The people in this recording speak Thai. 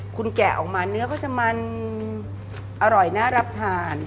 คุณแกะออกมาเนื้อก็จะมันอร่อยน่ารับทาน